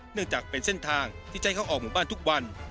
เนื่องจากเป็นเส้นทางที่จะให้เขาออกหมู่บ้านทุกวัน